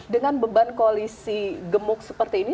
dengan beban koalisi gemuk seperti ini